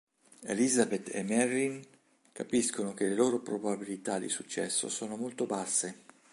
Elizabeth e Marilyn capiscono che le loro probabilità di successo sono molto basse.